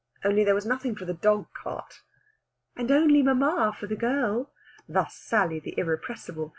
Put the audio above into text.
Only there was nothing for the dog cart." "And only mamma for the girl" thus Sally the irrepressible.